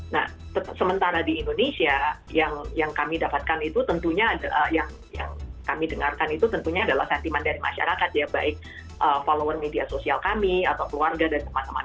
nah sementara di indonesia yang kami dapatkan itu tentunya yang kami dengarkan itu tentunya adalah sentimen dari masyarakat ya baik follower media sosial kami atau keluarga dan teman teman